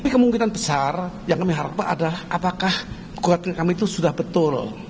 tapi kemungkinan besar yang kami harapkan adalah apakah kekuatan kami itu sudah betul